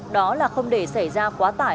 đó là không để xảy ra quá tải